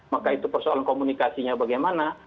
maka itu persoalan komunikasinya bagaimana